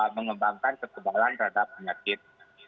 mengembangkan kekebalan terhadap agen penyakit itu